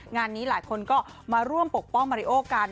งานนี้หลายคนก็มาร่วมปกป้องมาริโอกัน